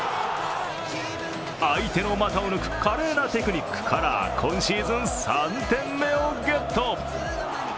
相手の股を抜く華麗なテクニックから今シーズン３点目をゲット。